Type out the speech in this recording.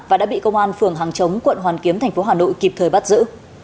và đã bị công an phường hàng chống quận hoàn kiếm tp hà nội kịp thời bắt giữ